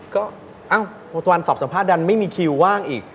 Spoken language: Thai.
ก็เอ้าตะวันสอบสัมภาษณ์ดันไม่มีคิวว่างอีก